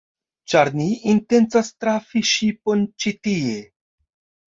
Ĉar ni intencas trafi ŝipon ĉi tie